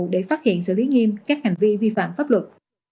để phát hiện xử lý nghiêm các hành vi vi phạm pháp luật